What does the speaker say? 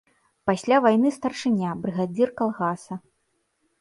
Пасля вайны старшыня, брыгадзір калгаса.